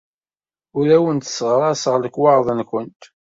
Ur awent-sseɣraseɣ lekwaɣeḍ-nwent.